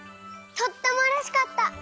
とってもうれしかった。